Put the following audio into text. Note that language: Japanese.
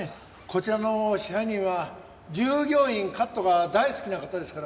こちらの支配人は従業員カットが大好きな方ですから。